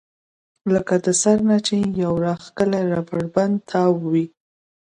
لکه د سر نه چې يو راښکلی ربر بېنډ تاو وي